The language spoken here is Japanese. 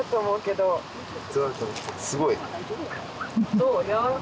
どう？